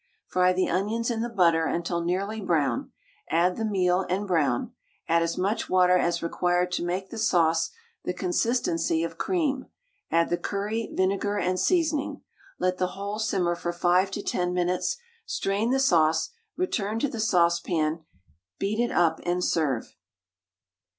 Fry the onions in the butter until nearly brown, add the meal, and brown; add as much water as required to make the sauce the consistency of cream; add the curry, vinegar, and seasoning. Let the whole simmer for 5 to 10 minutes, strain the sauce, return to the saucepan, beat it up, and serve.